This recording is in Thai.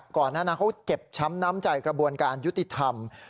ก่อนหน้านั้นเขาเจ็บช้ำน้ำใจกระบวนการยุติธรรม